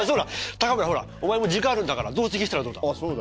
高村ほらお前も時間あるんだから同席したらどうだ？